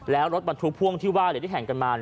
แล้วรถบรรทุกพ่วงที่ว่าที่แข่งกันมา